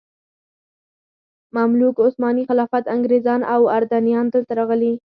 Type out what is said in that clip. مملوک، عثماني خلافت، انګریزان او اردنیان دلته راغلي.